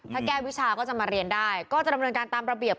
ถ้าแก้วิชาก็จะมาเรียนได้ก็จะดำเนินการตามระเบียบ